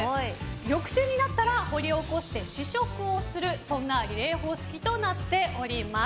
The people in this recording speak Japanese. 翌週になったら掘り起こして試食をするそんなリレー方式となっております。